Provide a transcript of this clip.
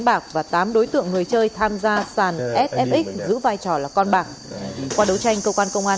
bạc và tám đối tượng người chơi tham gia sàn sf giữ vai trò là con bạc qua đấu tranh cơ quan công an